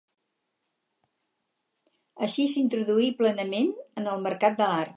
Així s'introduí plenament en el mercat de l'art.